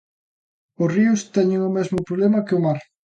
Os ríos teñen o mesmo problema que o mar.